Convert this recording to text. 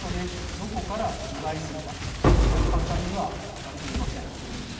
どこから除外するか簡単には割り切れません。